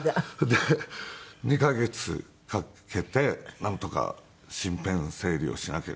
で２カ月かけてなんとか身辺整理をしなければ。